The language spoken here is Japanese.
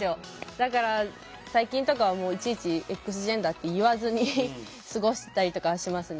だから最近とかはいちいちＸジェンダーって言わずに過ごしたりとかはしますね。